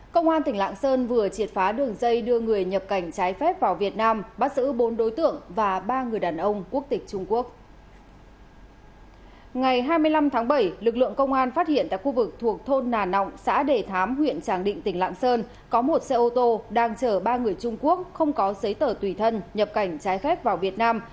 có một xe ô tô đang chở ba người trung quốc không có giấy tờ tùy thân nhập cảnh trái khép vào việt nam